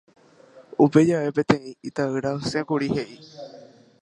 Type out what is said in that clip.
Upe jave peteĩ ita'ýra osẽkuri he'i